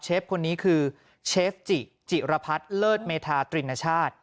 คนนี้คือเชฟจิจิรพัฒน์เลิศเมธาตรินชาติ